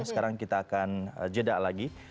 sekarang kita akan jeda lagi